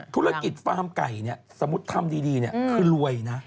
ธุรกิจฟาร์มไก่เนี่ยสมมุติทำดีเนี่ยคือรวยนะ